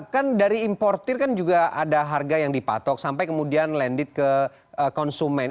kan dari importer kan juga ada harga yang dipatok sampai kemudian landed ke konsumen